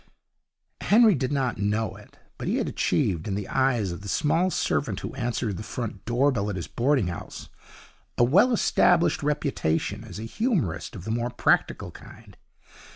Henry did not know it, but he had achieved in the eyes of the small servant who answered the front door bell at his boarding house a well established reputation as a humorist of the more practical kind.